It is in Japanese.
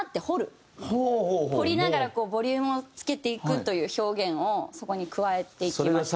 掘りながらこうボリュームをつけていくという表現をそこに加えていきました。